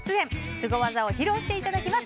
スゴ技を披露していただきます。